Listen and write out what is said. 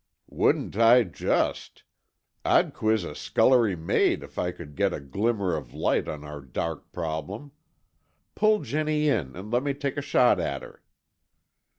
"Wouldn't I just! I'd quiz a scullery maid, if I could get a glimmer of light on our dark problem. Pull Jennie in and let me take a shot at her."